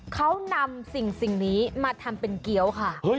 เขานำสิ่งนี้มาทำเป็นเกี้ยวค่ะ